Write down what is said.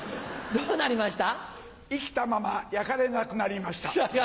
どうなりました？